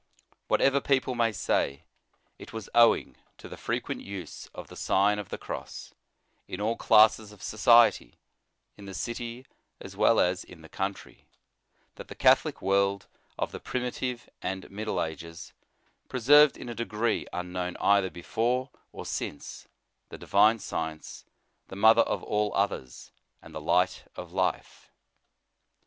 Whatever people may say, it was owing to the frequent use of the Sign of the Cross, in all classes ol society, in the city as well as in the country, that the Catholic world of the primitive and In the Nineteenth Century. 85 middle ages, preserved in a degree unknown either before or since, the divine science, the mother of all others, and the light of life.